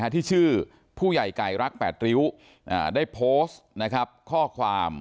ที่ชื่อผู้ใหญ่ไก่รัก๘ริ้วได้โพสต์ข้อความ